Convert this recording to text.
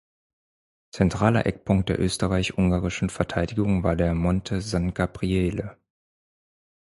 Zentraler Eckpunkt der österreichisch-ungarischen Verteidigung war der Monte San Gabriele.